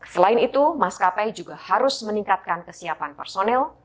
selain itu mas kapai juga harus meningkatkan kesiapan personel